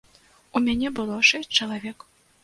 У мяне было шэсць чалавек.